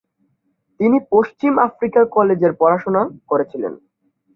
তিনি পশ্চিম আফ্রিকার কলেজে পড়াশোনা করেছিলেন।